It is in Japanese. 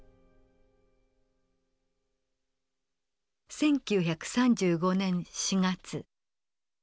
１９３５年４月。